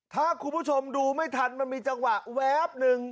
ถ้าคุณผู้ชมดูไม่ทันมันมีจังหวะแวบหนึ่ง